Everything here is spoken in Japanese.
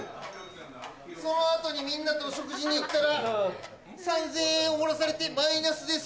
その後にみんなと食事に行ったら３０００円おごらされてマイナスです。